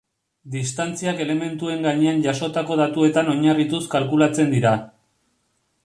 Distantziak elementuen gainean jasotako datuetan oinarrituz kalkulatzen dira.